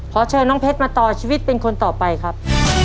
ขอเชิญน้องเพชรมาต่อชีวิตเป็นคนต่อไปครับ